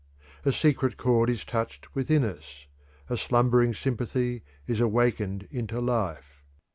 A secret chord is touched within us: a slumbering sympathy is awakened into life.